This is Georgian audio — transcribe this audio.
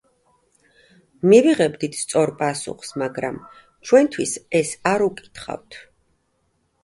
მივიღებდით სწორ პასუხს, მაგრამ ჩვენთვის ეს არ უკითხავთ.